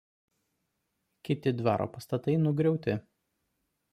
Kiti dvaro pastatai nugriauti.